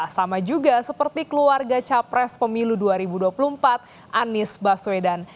sama juga seperti keluarga capres pemilu dua ribu dua puluh empat anies baswedan